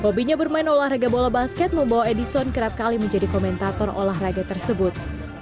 hobinya bermain olahraga bola basket membawa edison kerap kali menjadi komentator olahraga tersebut